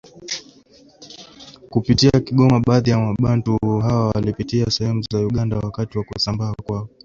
kupitia Kigoma baadhi ya wabantu hawa walipitia sehemu za Uganda Wakati wa kusambaa kwao